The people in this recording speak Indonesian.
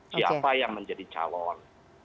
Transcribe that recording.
siapa yang menjadi calon